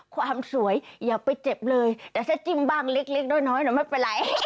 ความสวยอย่าไปเจ็บเลยแต่ถ้าจิ้มบ้างเล็กน้อยไม่เป็นไร